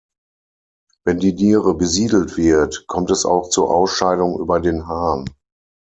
Wenn die Niere besiedelt wird, kommt es auch zur Ausscheidung über den Harn.